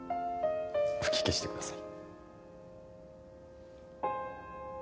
吹き消してください。